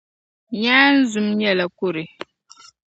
Nyaanzum nyɛla kɔre.